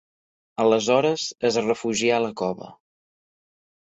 Aleshores, es refugià a la cova.